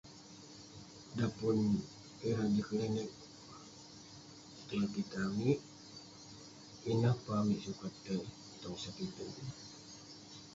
Dan pun ireh jin klinik tuai pitah amik, ineh peh amik sukat tai tong sepiten.